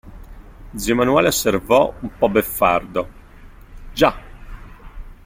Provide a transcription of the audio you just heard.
Zio Emanuele osservò, un po' beffardo: – Già!